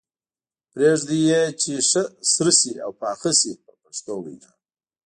پرېږدي یې چې ښه سره شي او پاخه شي په پښتو وینا.